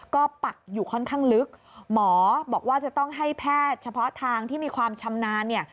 ก็ปักอยู่ค่อนข้างลึกหมอบอกว่าจะต้องให้แพทย์เฉพาะทางที่มีความชำนาญเนี่ย